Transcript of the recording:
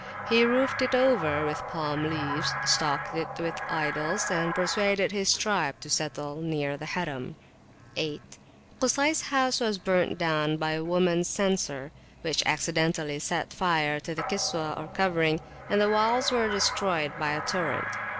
He roofed it over with palm leaves, stocked it with idols, and persuaded his tribe to settle near the Harim. 8. Kusays house was burnt down by a womans censer, which accidentally set fire to the Kiswah, or covering, and the walls were destroyed by a torrent.